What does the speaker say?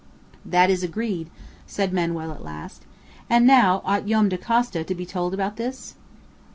"That is agreed," said Manoel at length. "And now, ought Joam Dacosta to be told about this?"